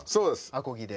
アコギで？